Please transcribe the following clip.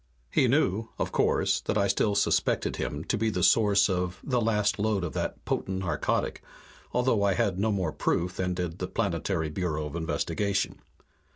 He knew, of course, that I still suspected him to be the source of the last load of that potent narcotic, although I had no more proof than did the Planetary Bureau of Investigation.